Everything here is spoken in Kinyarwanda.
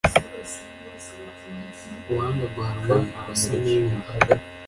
uwanga guhanwa aba asa n’inka